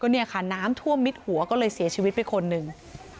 น้ำท่วมมิดหัวก็เลยเสียชีวิตไปคนหนึ่ง